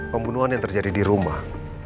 pembunuhan yang terjadi di rumah